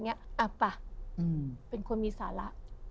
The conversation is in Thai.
อ่ะป่ะเป็นคนมีสาระ